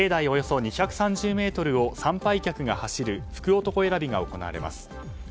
およそ２３０ｍを参拝客が走る福男選びが行われます。